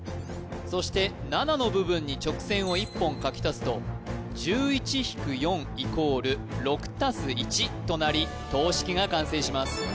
そして７の部分に直線を一本書き足すと「１１−４＝６＋１」となり等式が完成します